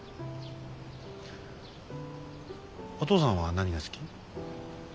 お父さんは何が好き？